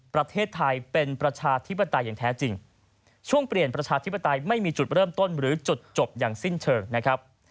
ประเทศไทยเป็นประชาธิปไตยอย่างแท้จริงช่วงเปลี่ยนประชาธิปไตยไม่มีจุดเริ่มต้นหรือจุดจบอย่างสิ้นเชิงนะครับ